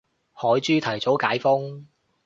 海珠提早解封